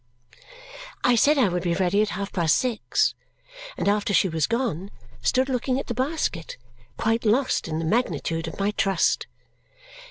I said I would be ready at half past six, and after she was gone, stood looking at the basket, quite lost in the magnitude of my trust.